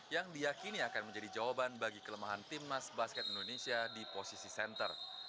yang diakini akan menjadi jawaban bagi kelemahan timnas basket indonesia di posisi center